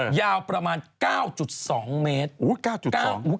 ขนาดความยาวของลำต้น๙๒เมตร